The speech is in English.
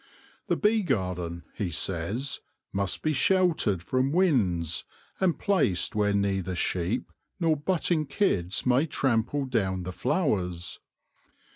The bee garden, he says, must be sheltered from winds, and placed where neither sheep nor butting kids may trample down the flowers.